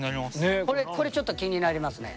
これちょっと気になりますね。